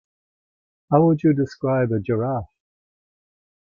How would you describe a giraffe?